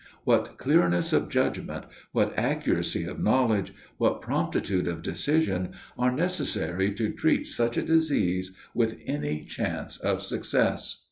What clearness of judgment, what accuracy of knowledge, what promptitude of decision, are necessary to treat such a disease with any chance of success!